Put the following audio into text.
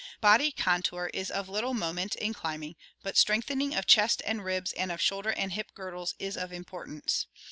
Body contour is of little moment in climbing, but strength ening of chest and ribs and of shoulder and hip girdles is of impor tance.